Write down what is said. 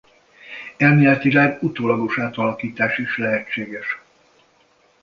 Elméletileg utólagos átalakítás is lehetséges.